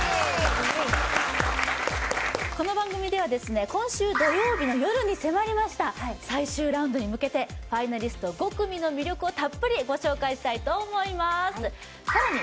この番組ではですね今週土曜日の夜に迫りました最終ラウンドに向けてファイナリスト５組の魅力をたっぷりご紹介したいと思いますさらに